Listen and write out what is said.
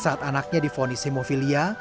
saat anaknya difonis hemofilia